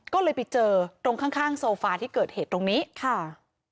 ก็เลยไปเจอตรงข้างข้างโซฟาที่เกิดเหตุตรงนี้ค่ะ